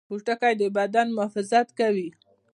پوټکی د بدن محافظت کوي